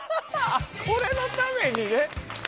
これのためにね！